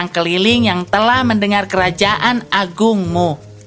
kami adalah orang keliling yang telah mendengar kerajaan agungmu